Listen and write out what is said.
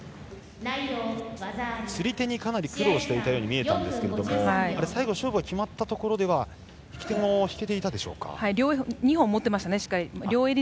釣り手にかなり苦労していたように見えましたが最後、勝負が決まったところでは引き手も２本、持っていましたね。